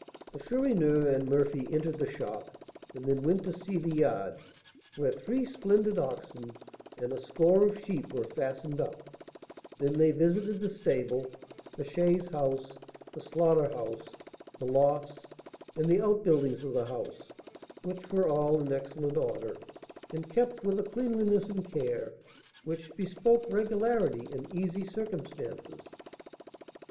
The Chourineur and Murphy entered the shop, and then went to see the yard, where three splendid oxen and a score of sheep were fastened up; they then visited the stable, the chaise house, the slaughter house, the lofts, and the out buildings of the house, which were all in excellent order, and kept with a cleanliness and care which bespoke regularity and easy circumstances.